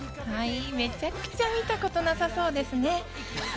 めちゃくちゃ見たことなさそうですね。